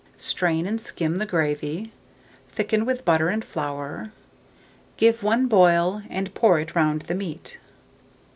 Strain and skim the gravy, thicken with butter and flour, give one boil, and pour it round the meat.